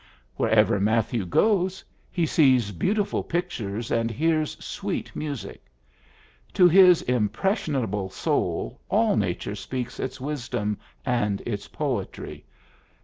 Wherever Matthew goes he sees beautiful pictures and hears sweet music; to his impressionable soul all nature speaks its wisdom and its poetry.